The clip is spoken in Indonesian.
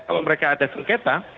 kalau mereka ada sekreta